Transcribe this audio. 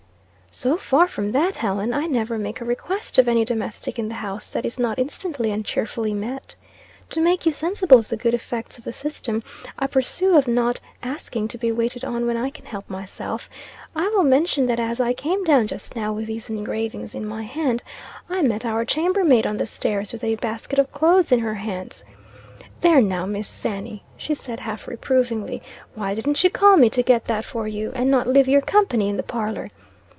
"So far from that, Helen, I never make a request of any domestic in the house, that is not instantly and cheerfully met. To make you sensible of the good effects of the system I pursue of not asking to be waited on when I can help myself, I will mention that as I came down just now with these engravings in my hand, I met our chambermaid on the stairs, with a basket of clothes in her hands 'There now, Miss Fanny,' she said half reprovingly, 'why didn't you call me to get that for you, and not leave your company in the parlor?'